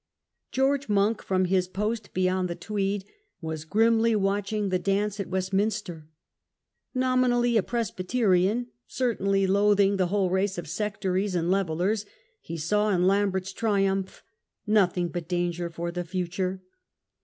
George Monk, from his post beyond the Tweed, was grimly watching the dance at Westminster. Nominally a Intervention Presbyterian, certainly loathing the whole race of Monk. of Sectaries and Levellers, he saw in I^mbert's triumph nothing but danger for the future.